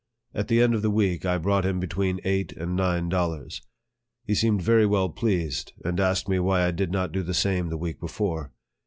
At the end of the week, I brought him between eight and nine dollars. He seemed very well pleased, and asked me why I did not do the same the week before.